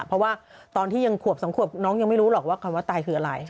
เพราะว่าตอนที่ยังขวบ๒ขวบน้องยังไม่รู้หรอกว่าคำว่าตายคืออะไร